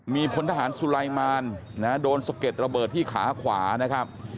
มีพลทหารสุไลมารโดนสะเก็ดระเบิดที่ขาขวานะครับ